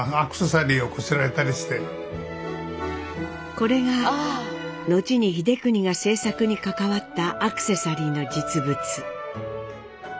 これが後に英邦が制作に関わったアクセサリーの実物。